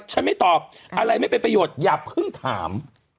ไม่ตอบอะไรไม่เป็นประโยชน์อย่าเพิ่งถาม